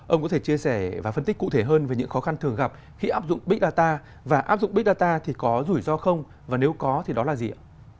ông có thể chia sẻ và phân tích cụ thể hơn về những khó khăn thường gặp khi áp dụng big data và áp dụng big data thì có rủi ro không và nếu có thì đó là gì ạ